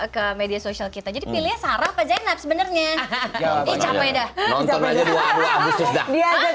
ke media sosial kita jadi pilih sarah kejadian sebenarnya capek nonton aja dua puluh dua abis sudah